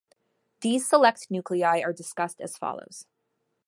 These select nuclei are discussed as follows.